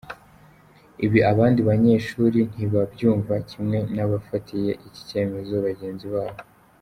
Ibi abandi banyeshuri ntibabyumva kimwe n’abafatiye iki cyemezo bagenzi babo.